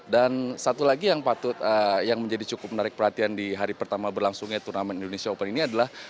dan satu lagi yang patut yang menjadi cukup menarik perhatian di hari pertama berlangsungnya turnamen indonesia open ini adalah